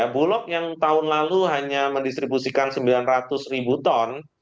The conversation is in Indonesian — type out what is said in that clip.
bulog yang tahun lalu hanya mendistribusikan sembilan ratus ribu ton